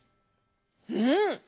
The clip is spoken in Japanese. うん！